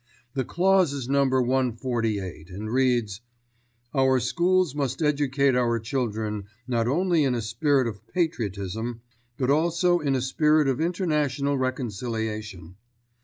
The clause is number 148 and reads, "Our schools must educate our children not only in a spirit of patriotism, but also in a spirit of international reconciliation."